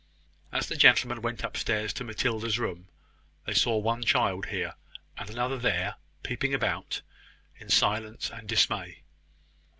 As the gentlemen went upstairs to Matilda's room, they saw one child here, and another there, peeping about, in silence and dismay.